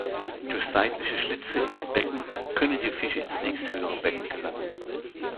Durch seitliche Schlitze in den Becken können die Fische ins nächsthöhere Becken gelangen.